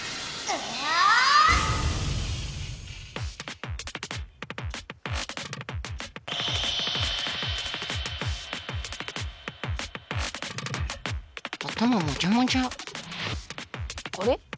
あれ？